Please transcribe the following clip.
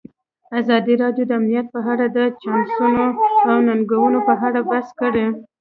ازادي راډیو د امنیت په اړه د چانسونو او ننګونو په اړه بحث کړی.